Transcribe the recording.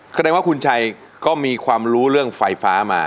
แสดงว่าคุณชัยก็มีความรู้เรื่องไฟฟ้ามา